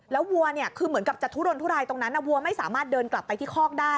แล้ววัวเนี่ยคือเหมือนกับจะทุรนทุรายตรงนั้นวัวไม่สามารถเดินกลับไปที่คอกได้